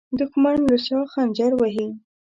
دښمن له شا خنجر وهي